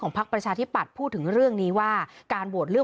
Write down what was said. พักประชาธิปัตย์พูดถึงเรื่องนี้ว่าการโหวตเลือก